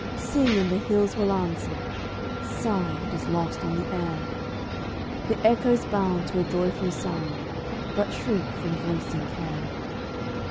Sing, and the hills will answer; Sigh, it is lost on the air; The echoes bound to a joyful sound, But shrink from voicing care.